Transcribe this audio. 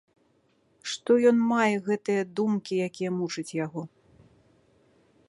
Што ён мае гэтыя думкі, якія мучаць яго?